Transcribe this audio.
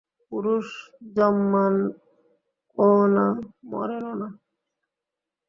পুরুষ জন্মানও না, মরেনও না।